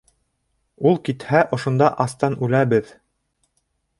Ул китһә, ошонда астан үләбеҙ!